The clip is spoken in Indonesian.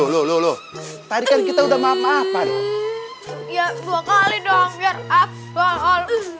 loh loh tarikan kita udah maaf maaf ya dua kali doang biar apal